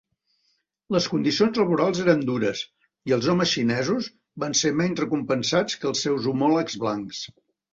Les condicions laborals eren dures, i els homes xinesos van ser menys recompensats que els seus homòlegs blancs.